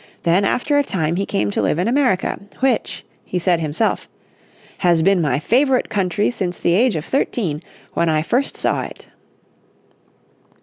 Then after a time he came to live in America, which, he said himself, "has been my favourite country since the age of thirteen, when I first saw it."